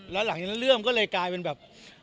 แล้วมันก็กลายเป็นแบบ